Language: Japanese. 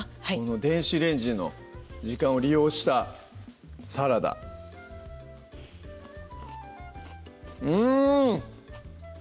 電子レンジの時間を利用したサラダうん！